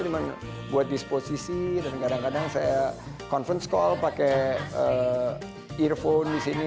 cuma buat disposisi dan kadang kadang saya conference call pakai earphone di sini